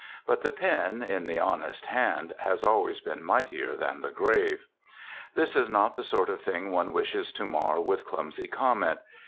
But the pen, in the honest hand, has always been mightier than the grave. This is not the sort of thing one wishes to mar with clumsy comment.